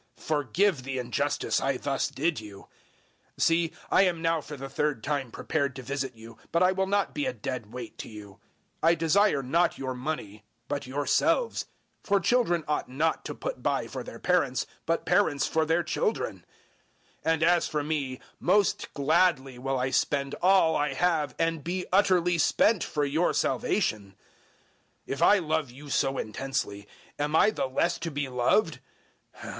Forgive the injustice I thus did you! 012:014 See, I am now for the third time prepared to visit you, but I will not be a dead weight to you. I desire not your money, but yourselves; for children ought not to put by for their parents, but parents for their children. 012:015 And as for me, most gladly will I spend all I have and be utterly spent for your salvation. 012:016 If I love you so intensely, am I the less to be loved?